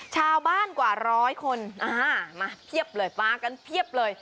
ชาวบ้านกว่าร้อยคนอ่ามาเพียบเลยมากันเพียบเลย